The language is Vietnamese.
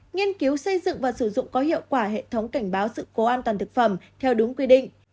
nghiên cứu xây dựng và sử dụng có hiệu quả hệ thống cảnh báo sự cố an toàn thực phẩm theo đúng quy định